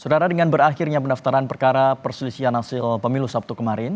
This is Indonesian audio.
sedara dengan berakhirnya pendaftaran perkara perselisihan hasil pemilu sabtu kemarin